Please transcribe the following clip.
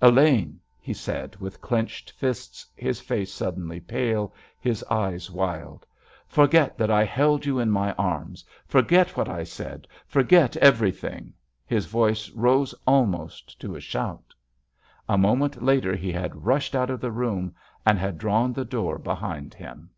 "Elaine," he said, with clenched fists, his face suddenly pale, his eyes wild—"forget that I held you in my arms! Forget what I said! Forget everything!" His voice rose almost to a shout. A moment later he had rushed out of the room, and had drawn the door behind him.